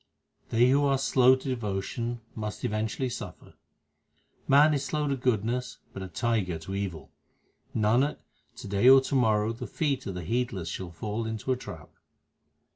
They who are slow to devotion must eventually suffer : Man is slow to goodness, but a tiger to evil. Nanak, to day or to morrow the feet of the heedless shall fall into a trap.